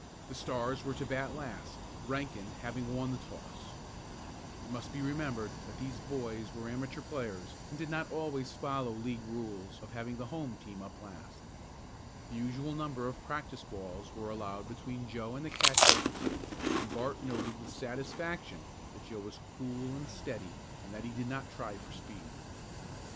The Stars were to bat last, Rankin having won the toss. It must be remembered that these boys were amateur players and did not always follow league rules of having the home team up last. The usual number of practice balls were allowed between Joe and the catcher at the plate and Bart noted with satisfaction that Joe was cool and steady and that he did not try for speed.